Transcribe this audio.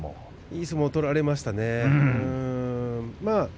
いい相撲を取られましたね。